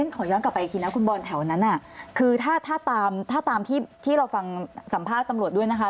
ขอย้อนกลับไปอีกทีนะคุณบอลแถวนั้นคือถ้าตามถ้าตามที่เราฟังสัมภาษณ์ตำรวจด้วยนะคะ